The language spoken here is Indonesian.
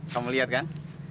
kamu lihat kan